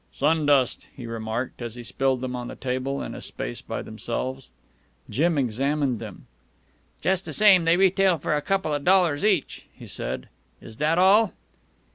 "Sun dust," he remarked, as he spilled them on the table in a space by themselves. Jim examined them. "Just the same, they retail for a couple of dollars each," he said. "Is that all?"